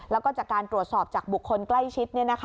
แล้วก็จากการตรวจสอบจากบุคคลใกล้ชิด